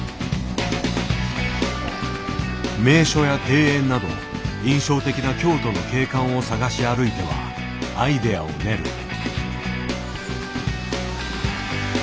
名所や庭園など印象的な京都の景観を探し歩いてはアイデアを練る。